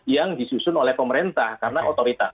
yang disusun oleh pemerintah karena otoritas